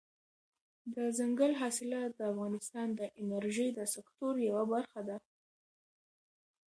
دځنګل حاصلات د افغانستان د انرژۍ د سکتور یوه برخه ده.